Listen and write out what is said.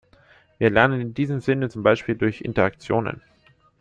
Wir lernen in diesem Sinne zum Beispiel durch Interaktionen.